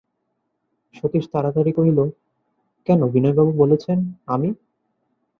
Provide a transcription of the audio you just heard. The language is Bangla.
সতীশ তাড়াতাড়ি কহিল, কেন, বিনয়বাবু বলেছেন, আমি।